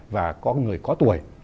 và có người có tuổi